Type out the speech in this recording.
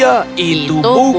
jika itu tidak bahagia